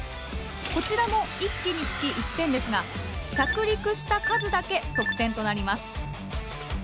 こちらも１機につき１点ですが着陸した数だけ得点となります。